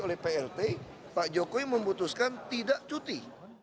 oleh plt pak jokowi memutuskan tidak cuti